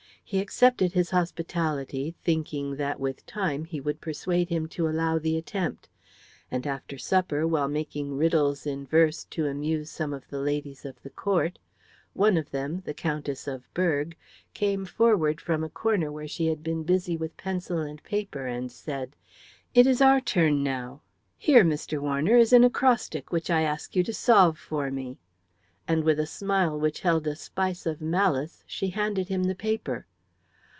He accepted his hospitality, thinking that with time he would persuade him to allow the attempt; and after supper, while making riddles in verse to amuse some of the ladies of the court, one of them, the Countess of Berg, came forward from a corner where she had been busy with pencil and paper and said, "It is our turn now. Here, Mr. Warner, is an acrostic which I ask you to solve for me." And with a smile which held a spice of malice she handed him the paper.